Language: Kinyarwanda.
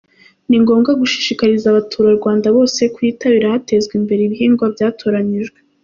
Ni ngombwa gushishikariza abaturarwanda bose kuyitabira hatezwa imbere ibihingwa byatoranyijwe.